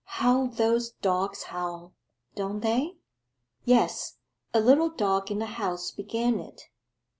'How those dogs howl, don't they?' 'Yes. A little dog in the house began it.